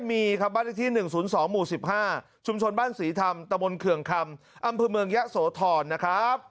มีบ้านที่๑๐๒๑๕ชุมชนบ้านสีธรรมกำลังเทิงคำ